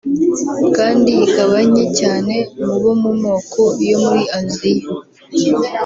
kandi ikaba nke cyane mu bo mu moko yo muri Aziya